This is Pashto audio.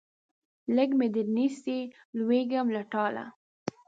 لږ مې درنیسئ لوېږم له ټاله